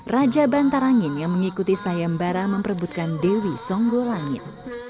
raja bantarangin yang mengikuti sayam bara memperbutkan dewi songgolangit